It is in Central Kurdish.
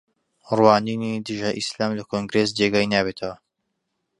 ڕوانینی دژە ئیسلام لە کۆنگرێس جێگای نابێتەوە